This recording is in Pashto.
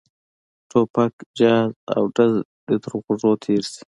ټوپک جهاز او ډز دې تر غوږو تېر شي.